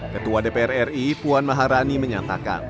ketua dpr ri puan maharani menyatakan